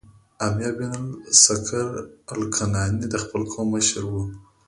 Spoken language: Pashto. امیة بن الاسکر الکناني د خپل قوم مشر و،